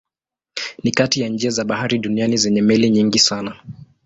Ni kati ya njia za bahari duniani zenye meli nyingi sana.